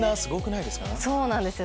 そうなんですよ